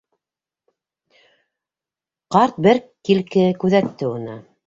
Ҡарт бер килке күҙәтте уны.